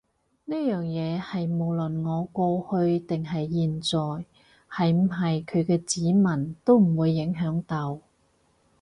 呢樣嘢係無論我過去定係現在係唔係佢嘅子民都唔會影響到